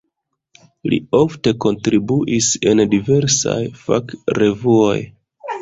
Li ofte kontribuis en diversaj fakrevuoj.